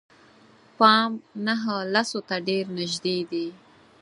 پام نهه لسو ته ډېر نژدې دي.